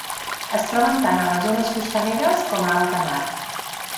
Es troben tant a les zones costaneres com a alta mar.